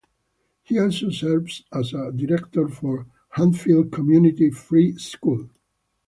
He also served as a Director for Hatfield Community Free School.